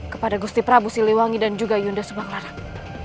kepada gusti prabu siliwangi dan juga yunda subanglarang